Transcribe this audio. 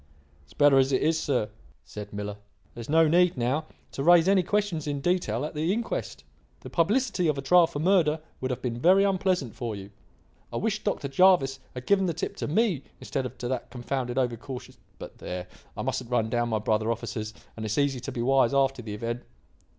"It's better as it is, sir," said Miller. "There is no need, now, to raise any questions in detail at the inquest. The publicity of a trial for murder would have been very unpleasant for you. I wish Dr. Jervis had given the tip to me instead of to that confounded, over cautious but there, I mustn't run down my brother officers: and it's easy to be wise after the event.